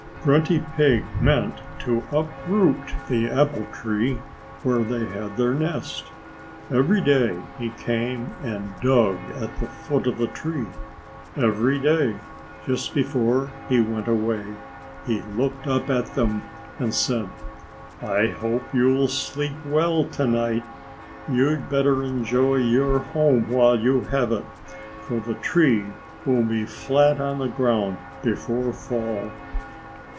Grunty Pig meant to uproot the apple tree where they had their nest. Every day he came and dug at the foot of the tree. Every day, just before he went away, he looked up at them and said, "I hope you'll sleep well to night. You'd better enjoy your home while you have it, for the tree will be flat on the ground before fall."